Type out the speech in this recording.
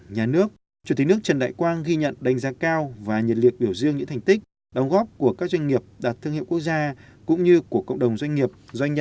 những hình ảnh và những lời nói bất hủ này của cuba